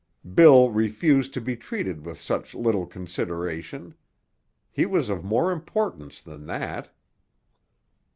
Bill refused to be treated with such little consideration. He was of more importance than that.